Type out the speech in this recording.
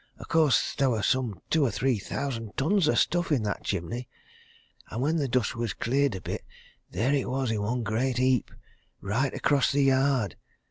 O' course, there were some two or three thousands of tons of stuff in that chimney and when the dust was cleared a bit there it was in one great heap, right across the yard.